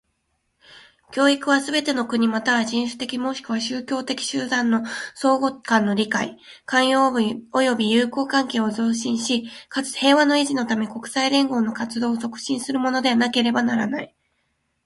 教育は、すべての国又は人種的若しくは宗教的集団の相互間の理解、寛容及び友好関係を増進し、かつ、平和の維持のため、国際連合の活動を促進するものでなければならない。